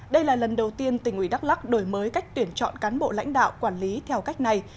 đây là lần đầu tiên tỉnh ủy đắk lắc đổi mới cách tuyển chọn cán bộ lãnh đạo quản lý theo cách này